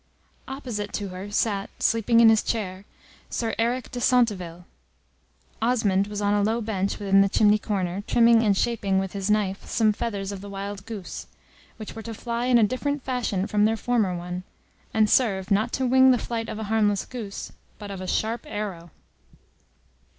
Opposite to her sat, sleeping in his chair, Sir Eric de Centeville; Osmond was on a low bench within the chimney corner, trimming and shaping with his knife some feathers of the wild goose, which were to fly in a different fashion from their former one, and serve, not to wing the flight of a harmless goose, but of a sharp arrow.